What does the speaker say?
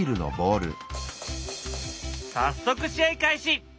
早速試合開始！